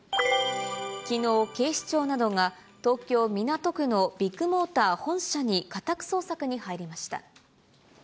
きのう、警視庁などが、東京・港区のビッグモーター本社に家宅捜索に入りました。